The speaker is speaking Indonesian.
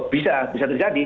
bisa bisa terjadi